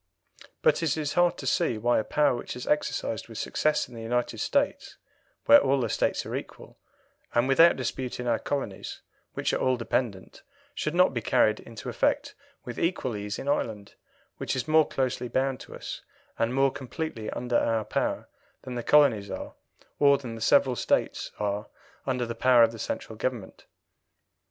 But it is hard to see why a power which is exercised with success in the United States, where all the States are equal, and without dispute in our colonies, which are all dependent, should not be carried into effect with equal ease in Ireland, which is more closely bound to us and more completely under our power than the colonies are, or than the several States are under the power of the Central Government.